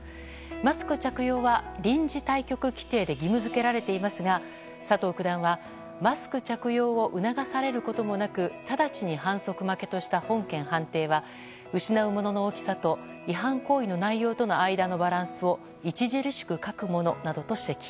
マスク着用は臨時対局規定で義務付けられていますが佐藤九段はマスク着用を促されることもなく直ちに反則負けとした本件判定は失うものの大きさと違反行為の内容との間のバランスを著しく欠くものなどと指摘。